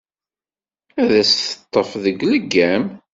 Ad as-teṭṭef deg leggam.